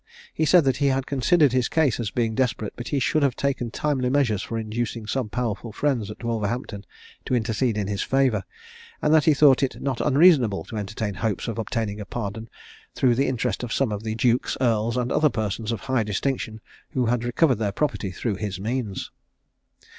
He said that had he considered his case as being desperate, he should have taken timely measures for inducing some powerful friends at Wolverhampton to intercede in his favour; and that he thought it not unreasonable to entertain hopes of obtaining a pardon through the interest of some of the dukes, earls, and other persons of high distinction, who had recovered their property through his means.